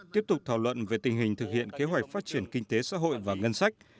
tiếp tục thảo luận về tình hình thực hiện kế hoạch phát triển kinh tế xã hội và ngân sách